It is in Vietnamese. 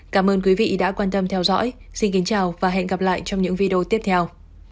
cảm ơn quý vị đã quan tâm theo dõi xin kính chào và hẹn gặp lại trong những video tiếp theo